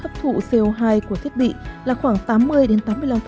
hấp thụ co hai của thiết bị là khoảng tám mươi đến tám mươi năm